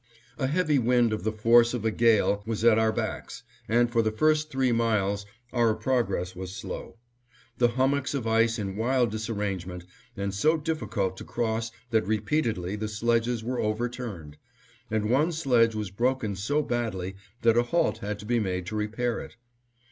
A heavy wind of the force of a gale was at our backs, and for the first three miles our progress was slow. The hummocks of ice in wild disarrangement, and so difficult to cross that repeatedly the sledges were overturned; and one sledge was broken so badly that a halt had to be made to repair it.